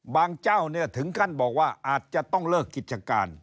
บางเจ้าถึงขั้นบอกว่าอาจจะต้องเลิกกิจการ